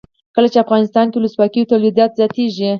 کله چې افغانستان کې ولسواکي وي تولیدات زیاتیږي.